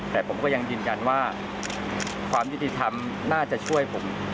แต่ผมก็ยังยืนยันว่าความยุติธรรมน่าจะช่วยผม